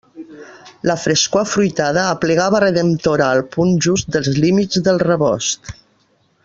La frescor afruitada aplegava redemptora al punt just dels límits del rebost.